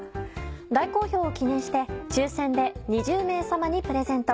大好評を記念して抽選で２０名様にプレゼント。